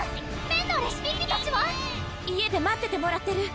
麺のレシピッピたちは⁉家で待っててもらってる！